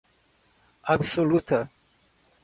absoluta